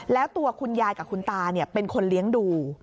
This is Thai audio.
แล้วตัวคุณยายกับคุณตาเป็นคนเลี้ยงดู